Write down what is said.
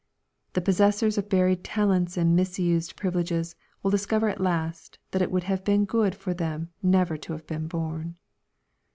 The possessors of buried talents and misused privileges will discover at last that it would have been good for them never to have been born.